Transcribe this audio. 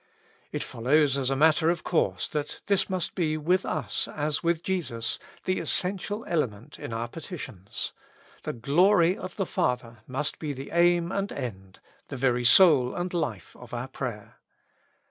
It follows as a matter of course that this must be with us, as with Jesus, the essential element in our petitions : the glory of the Father must be the aim and end, the very soul and life of our prayer.